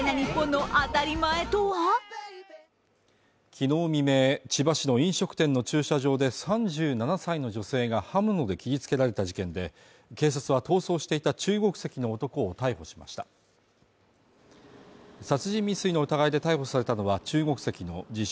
昨日未明、千葉市の飲食店の駐車場で３７歳の女性が刃物で切りつけられた事件で警察は逃走していた中国籍の男を逮捕しました殺人未遂の疑いで逮捕されたのは中国籍の自称